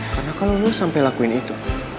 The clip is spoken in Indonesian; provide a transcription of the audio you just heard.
karena kalau lo sampai lakuin itu